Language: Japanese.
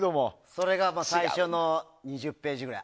それが最初の２０ページぐらい。